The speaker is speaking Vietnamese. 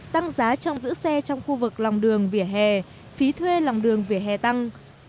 tăng giá trong giữ xe trong khu vực lòng đường vỉa hè phí thuê lòng đường vỉa hè tăng